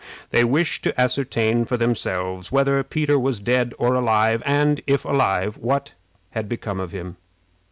They wished to ascertain for themselves whether Peter was dead or alive, and if alive, what had become of him.